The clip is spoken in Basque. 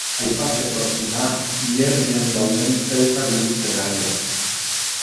Aipatzekoak dira hilerrian dauden Zelta gurutze garaiak.